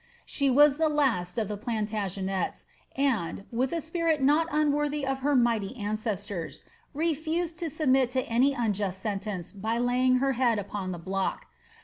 She was the last of the Plantagenets, and, with a spirit not unworthy of her mighty ancestors, refused to submit to an unjust sentence by lay ing her head upon the block.